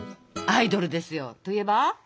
アイドルですよ。といえば？